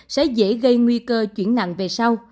sẽ dễ gây nguy cơ chuyển nặng về sau